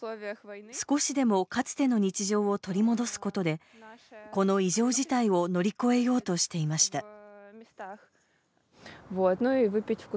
少しでもかつての日常を取り戻すことでこの異常事態を乗り越えようとしていました。